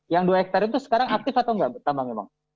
yang dua hektar itu sekarang aktif atau nggak tambangnya bang